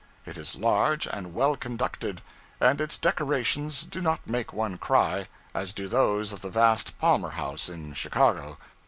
It is large, and well conducted, and its decorations do not make one cry, as do those of the vast Palmer House, in Chicago.